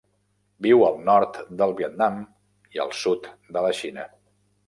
Viu al nord del Vietnam i el sud de la Xina.